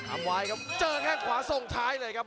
อัมไวด์ครับเจอกันขวาส่งท้ายเลยครับ